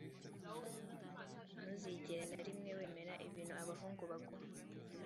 ntuzigere na rimwe wemera ibintu abahungu baguha